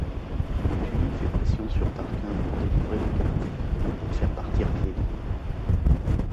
Mais Tullie fait pression sur Tarquin pour délivrer les captives, pour faire partir Clélie.